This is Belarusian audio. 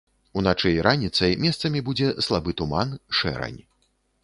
Уначы і раніцай месцамі будзе слабы туман, шэрань.